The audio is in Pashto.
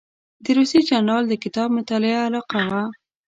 د روسي جنرال د کتاب مطالعه علاقه وه.